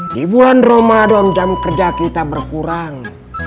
di bulan ramadan jam kerja kita berkurang